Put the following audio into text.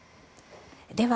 では